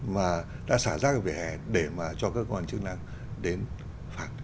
mà đã xả rác cái vỉa hè để mà cho các quan chức năng đến phạt